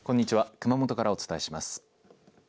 熊本からお伝えします。